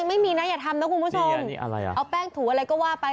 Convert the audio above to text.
ไม่มีนะอย่าทำนะคุณผู้ชมเอาแป้งถูวะเลยก็ว่าก็จะว่าไป